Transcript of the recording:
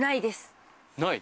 ない？